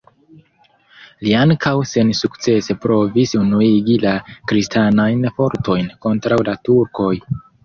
Li ankaŭ sensukcese provis unuigi la kristanajn fortojn kontraŭ la Turkoj.